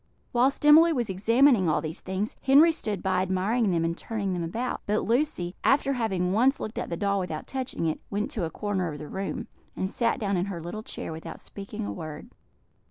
Whilst Emily was examining all these things, Henry stood by admiring them and turning them about; but Lucy, after having once looked at the doll without touching it, went to a corner of the room, and sat down in her little chair without speaking a word.